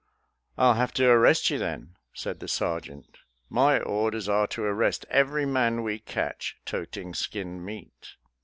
" I'll have to arrest you, then," said the ser geant. " My orders are to arrest every man we catch toting skinned meat."